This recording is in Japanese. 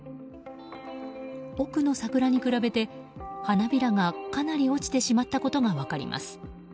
奥の桜に比べて、花びらがかなり落ちてしまったことが分かります。